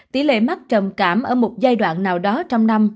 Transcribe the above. tỷ lệ mắc trầm cảm ở một giai đoạn nào đó trong năm